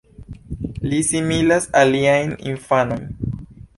Li similas aliajn infanojn.